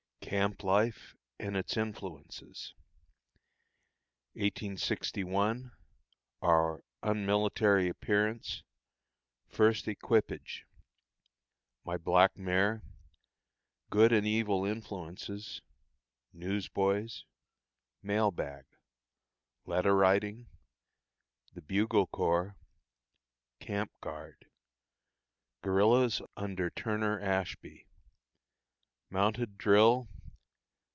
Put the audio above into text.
CAMP LIFE AND ITS INFLUENCES. 1861. Our unmilitary Appearance. First Equipage. My Black Mare. Good and Evil Influences. News Boys. Mail Bag. Letter Writing. The Bugle Corps. Camp Guard. Guerillas under Turner Ashby. Mounted Drill.